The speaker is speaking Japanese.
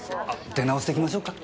出直してきましょうか？